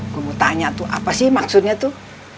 gue mau tanya tuh apa sih maksudnya tuh